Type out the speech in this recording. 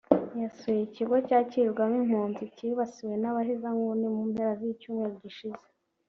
yasuye ikigo cyakirirwamo impunzi cyibasiwe n’abahezanguni mu mpera z’icyumweru gishize